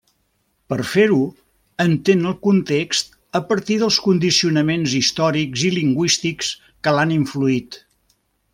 Per fer-ho, entén el context a partir dels condicionaments històrics i lingüístics que l'han influït.